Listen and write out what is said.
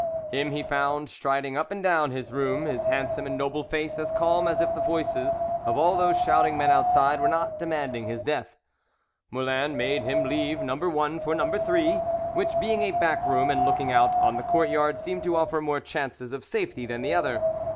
Him he found striding up and down his room, his handsome and noble face as calm as if the voices of all those shouting men outside were not demanding his death. Moulin made him leave No. 1 for No. 3, which, being a back room and looking out on the courtyard, seemed to offer more chances of safety than the other.